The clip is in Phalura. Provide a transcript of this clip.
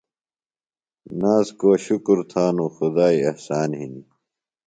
نازکوۡ شُکر تھانوۡ۔ خدائی احسان ہِنیۡ۔